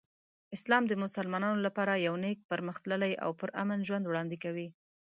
اسلام د مسلمانانو لپاره یو نیک، پرمختللی او پرامن ژوند وړاندې کوي.